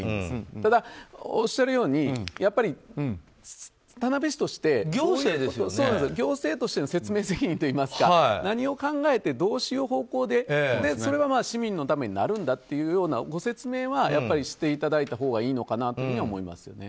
ただおっしゃるようにやっぱり田辺市として行政としての説明責任といいますか何を考えて、どうする方向でそれが市民のためになるんだというご説明はやっぱりしていただいたほうがいいのかなとは思いますよね。